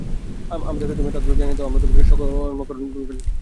আমাদেরকে তুমি এর তাৎপর্য জানিয়ে দাও, আমরা তোমাকে সকর্মপরায়ণ দেখেছি।